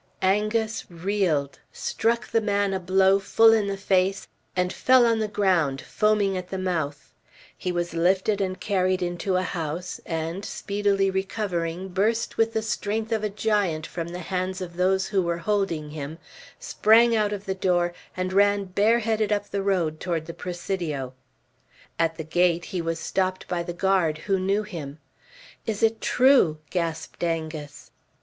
Angus reeled, struck the man a blow full in the face, and fell on the ground, foaming at the mouth. He was lifted and carried into a house, and, speedily recovering, burst with the strength of a giant from the hands of those who were holding him, sprang out of the door, and ran bareheaded up the road toward the Presidio. At the gate he was stopped by the guard, who knew him. "Is it true?" gasped Angus.